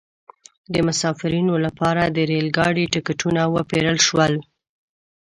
د مسافرینو لپاره د ریل ګاډي ټکټونه وپیرل شول.